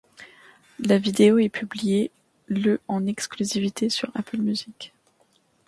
La vidéo est publiée le en excluvisité sur Apple Music.